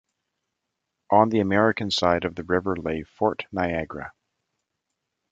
On the American side of the river lay Fort Niagara.